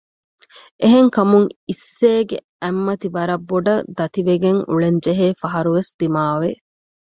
އެހެން ކަމުން އިއްސޭގެ އަތްމަތި ވަރަށް ބޮޑަށް ދަތިވެގެން އުޅެން ޖެހޭ ފަހަރުވެސް ދިމާވެ